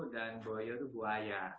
dan boyo itu buaya